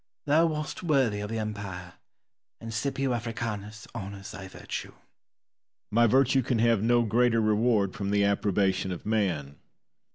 Thou wast worthy of the empire, and Scipio Africanus honours thy virtue. Titus. My virtue can have no greater reward from the approbation of man.